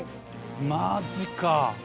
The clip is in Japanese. マジか！